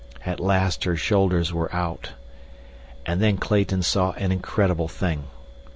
At last her shoulders were out. And then Clayton saw an incredible thing.